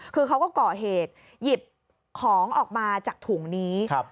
คือเขาก็ก่อเหตุหยิบของออกมาจากถุงนี้